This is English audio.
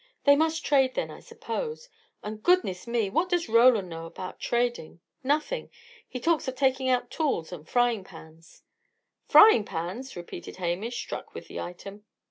"They must trade, then, I suppose. And, goodness me! what does Roland know about trading? Nothing. He talks of taking out tools and frying pans." "Frying pans!" repeated Hamish, struck with the item.